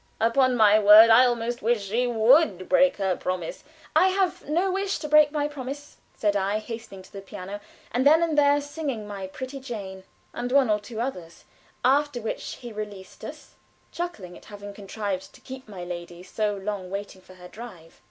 Upon my word, I almost wish she would break her promise." "I have no wish to break my promise," said I, hastening to the piano, and then and there singing "My Pretty Jane," and one or two others, after which he released us, chuckling at having contrived to keep my lady so long waiting for her drive.